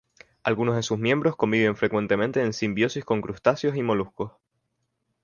Algunos de sus miembros conviven frecuentemente en simbiosis con crustáceos y moluscos.